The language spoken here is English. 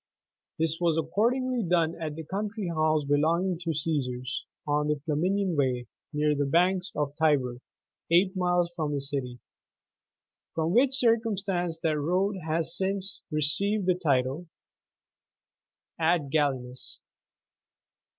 This was accordingly done at the country house belonging to the Caesars, on the Flaminian Way, near the banks of the Tiber, eight miles from the City ; from which circumstance that road has since received the title "Ad gallinas."